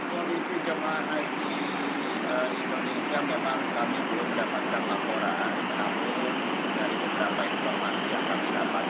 kondisi jemaah haji indonesia memang kami belum mendapatkan laporan namun dari beberapa informasi yang kami dapat